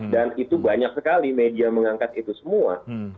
dan itu banyak sekali media mengangkat itu semua